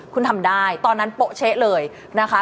คุณทำได้ตอนนั้นโป๊ะเช๊ะเลยนะคะ